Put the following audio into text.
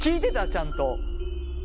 ちゃんと。